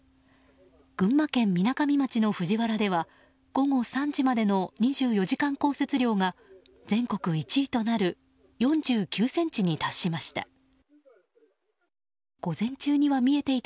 群馬県みなかみ町の藤原では午後３時までの２４時間降雪量が全国１位となる４９ｃｍに達しました。